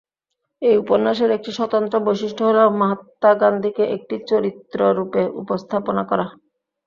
এই উপন্যাসের একটি স্বতন্ত্র বৈশিষ্ট্য হল, মহাত্মা গান্ধীকে একটি চরিত্র রূপে উপস্থাপনা করা।